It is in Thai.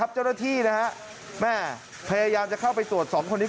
เจ้าหน้าที่แม่พยายามจะเข้าไปตรวจ๒คนนี้